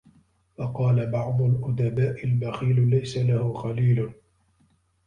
وَقَالَ بَعْضُ الْأُدَبَاءِ الْبَخِيلُ لَيْسَ لَهُ خَلِيلٌ